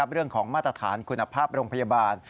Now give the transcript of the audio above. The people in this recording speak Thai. เรื่องของมาตรฐานคุณภาพโรงพยาบาล